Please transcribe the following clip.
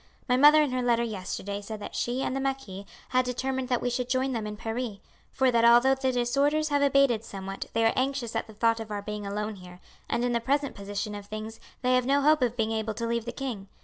My mother in her letter yesterday said that she and the marquis had determined that we should join them in Paris; for that although the disorders have abated somewhat they are anxious at the thought of our being alone here, and in the present position of things they have no hope of being able to leave the king.